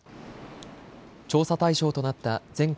調査対象となった全国